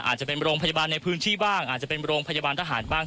อาจจะเป็นโรงพยาบาลในพื้นที่บ้างอาจจะเป็นโรงพยาบาลทหารบ้าง